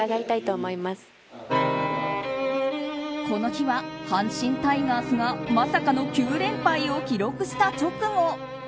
この日は阪神タイガースがまさかの９連敗を記録した直後。